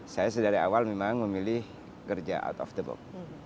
saya dari awal memang memilih kerja out of the box